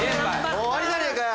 もう終わりじゃねえかよ。